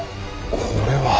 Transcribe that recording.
これは。